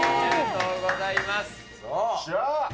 よっしゃー。